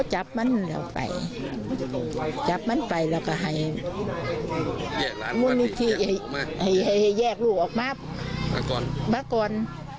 ให้แยกลูกออกมามาก่อน